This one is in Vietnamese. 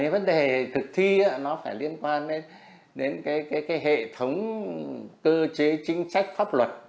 vấn đề thực thi nó phải liên quan đến hệ thống cơ chế chính sách pháp luật